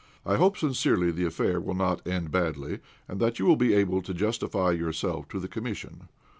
I hope sincerely the affair will not end badly, and that you will be able to justify yourself to the Commission.